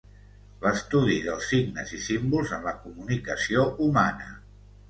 l'estudi dels signes i símbols en la comunicació humana